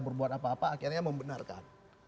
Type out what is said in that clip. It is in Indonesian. berbuat apa apa akhirnya membenarkan